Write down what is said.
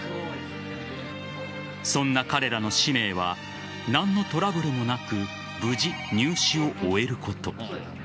そんな彼らの使命は何のトラブルもなく無事入試を終えること。